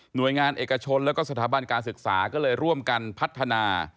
โดยงานเอกชนแล้วก็สถาบันการศึกษาก็เลยร่วมกันพัฒนา